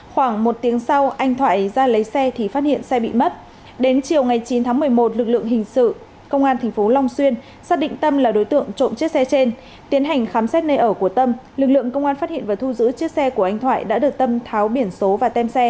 khoảng một tiếng sau anh thoại ra lấy xe thì phát hiện xe bị mất